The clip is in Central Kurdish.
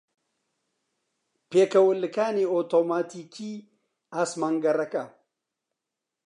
پێکەوەلکانی ئۆتۆماتیکیی ئاسمانگەڕەکە